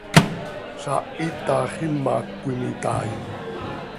Zaah iitax imac cöimitai.